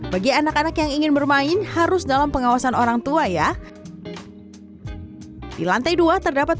bagi anak anak yang ingin bermain harus dalam pengawasan orang tua ya di lantai dua terdapat